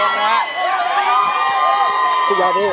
มันมาทางนี้ครับพี่